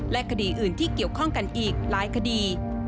คดีอื่นที่เกี่ยวข้องกันอีกหลายคดี